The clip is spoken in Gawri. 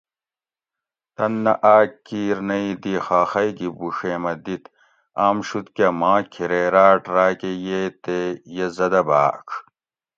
تن نہ آک کِیر نہ ئ دی خاخئ گھی بوڛیمہ دِت آمشوتکہ ماں کھیریراٹ راۤکہ ییئ تے یہ زدہ بھاۤڄ